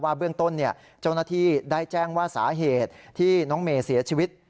เบื้องต้นเจ้าหน้าที่ได้แจ้งว่าสาเหตุที่น้องเมย์เสียชีวิต